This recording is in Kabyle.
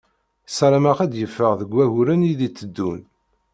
Ssarameɣ ad d-yeffeɣ deg wayyuren i d-iteddun.